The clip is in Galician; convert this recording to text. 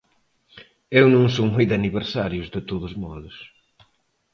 Eu non son moi de aniversarios, de todos modos.